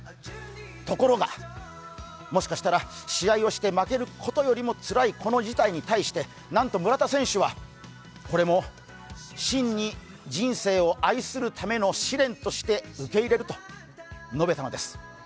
ところが、もしかしたら試合をして負けることよりもつらいこの事態に対してなんと村田選手は、これも真に人生を愛するための試練として受け入れると述べたのです。